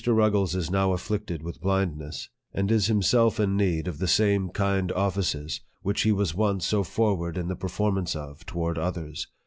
Ruggles is now afflicted with blindness, and is himself in need of the same kind offices which he was once so forward in the performance of toward others.